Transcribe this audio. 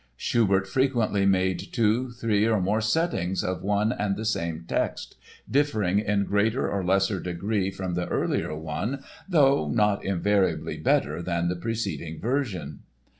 Schubert frequently made two, three or more settings of one and the same text, differing in greater or lesser degree from the earlier one though not invariably better than the preceding version.